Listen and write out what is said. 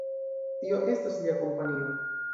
Tio estas lia kompanio.